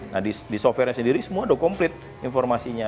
nah di softwarenya sendiri semua udah komplit informasinya